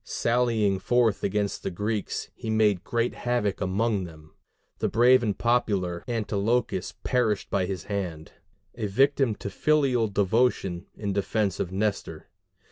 Sallying forth against the Greeks, he made great havoc among them: the brave and popular Antilochus perished by his hand, a victim to filial devotion in defence of Nestor.